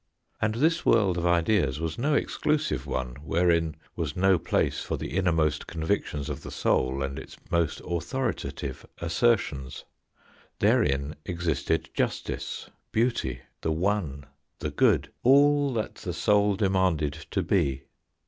And this world of ideas was no exclusive one, wherein was no place for the innermost convictions of the soul and its most authoritative assertions. Therein existed justice, beauty the one, the good, all that the soul demanded to be.